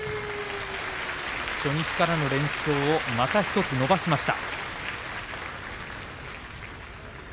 初日からの連勝をまた１つ伸ばしました。